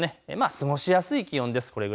過ごしやすい気温です。